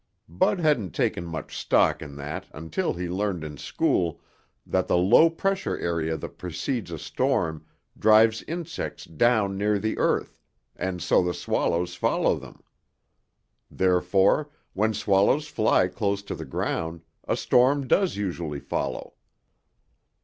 Bud hadn't taken much stock in that until he learned in school that the low pressure area that precedes a storm drives insects down near the earth and so the swallows follow them. Therefore, when swallows fly close to the ground, a storm does usually follow.